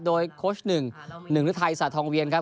โดยโค้ชหนึ่งหนึ่งฤทัยศาสทองเวียนครับ